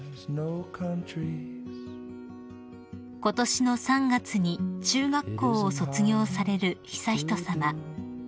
［ことしの３月に中学校を卒業される悠仁さま］